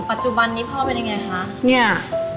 ปัจจุบันนี้พ่อเป็นยังไงคะเนี่ย